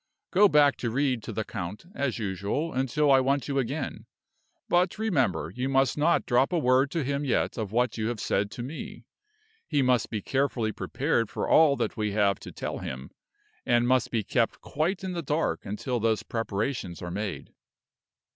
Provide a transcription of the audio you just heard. Go back to read to the count, as usual, until I want you again; but, remember, you must not drop a word to him yet of what you have said to me. He must be carefully prepared for all that we have to tell him; and must be kept quite in the dark until those preparations are made."